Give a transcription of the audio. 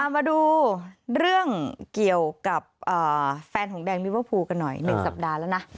มาดูเรื่องเกี่ยวกับแฟนของแดงลิเวอร์พูลกันหน่อย๑สัปดาห์แล้วนะ